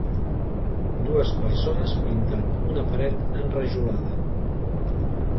Dues persones pintant una paret enrajolada.